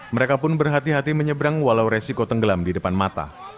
mereka pun berhati hati menyeberang walau resiko tenggelam di depan mata